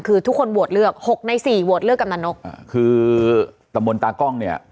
คือทุกคนโหวตเลือกหกในสี่โหวตเลือกกำนันนกอ่าคือตำบลตากล้องเนี่ย